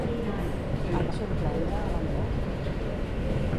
El va sorprendre a la mare?